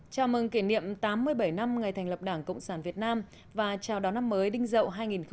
chào mừng kỷ niệm tám mươi bảy năm ngày thành lập đảng cộng sản việt nam và chào đón năm mới đinh dậu hai nghìn hai mươi